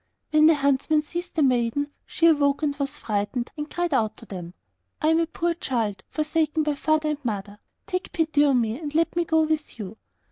When the huntsmen seized the maiden, she awoke and was frightened, and cried out to them, 'I am a poor child, forsaken by father and mother; take pity on me, and let me go with you.